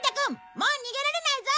もう逃げられないぞ！